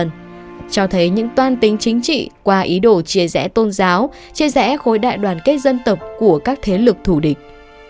cho thấy những toan tính chính trị qua ý đồ chia rẽ tôn giáo chia rẽ khối đại đoàn kết dân tộc của các thế lực thủ địch